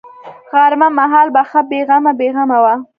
غرمه مهال به ښه بې غمه بې غمه وه.